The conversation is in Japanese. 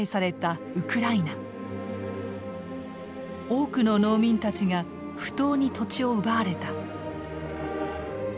多くの農民たちが不当に土地を奪われた。